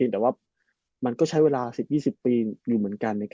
แต่ว่ามันก็ใช้เวลา๑๐๒๐ปีอยู่เหมือนกัน